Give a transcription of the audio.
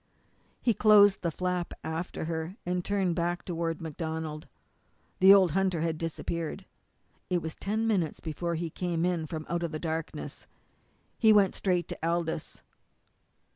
He closed the flap after her, and turned back toward MacDonald. The old hunter had disappeared. It was ten minutes before he came in from out of the darkness. He went straight to Aldous.